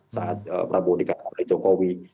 saat prabowo dikatakan oleh jokowi